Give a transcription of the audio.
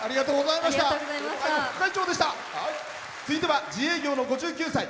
続いては自営業の５９歳。